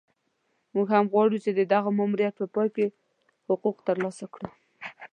موږ هم غواړو چې د دغه ماموریت په پای کې حقوق ترلاسه کړو.